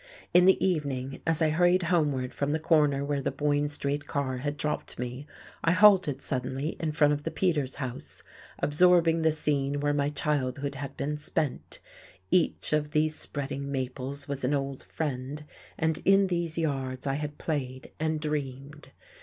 In the evening, as I hurried homeward from the corner where the Boyne Street car had dropped me, I halted suddenly in front of the Peters house, absorbing the scene where my childhood had been spent: each of these spreading maples was an old friend, and in these yards I had played and dreamed.